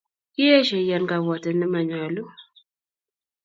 Kieshe iyan kabwatet nemanyalu